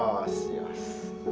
kamu lihat kamu lihat